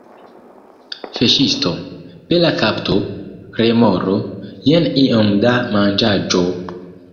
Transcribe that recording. Fiŝisto: "Bela kapto, remoro. Jen iom da manĝaĵo."